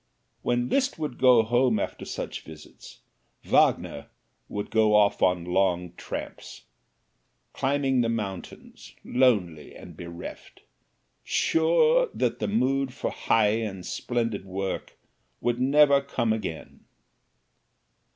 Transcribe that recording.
When Liszt would go home after such visits, Wagner would go off on long tramps, climbing the mountains, lonely and bereft, sure that the mood for high and splendid work would never come again.